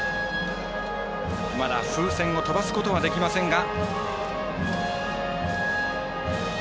まだ風船を飛ばすことができませんが。